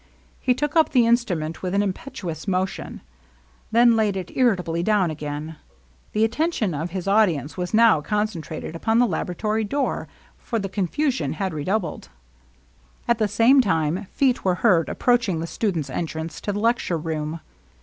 He took up the instrument with an impetuous motion ; then laid it irritably down again. The at tention of his audience was now concentrated upon the laboratory door, for the confusion had redoubled. LOVELINESS. 35 At the same time feet were heard approaching the students' entrance to the lecture room.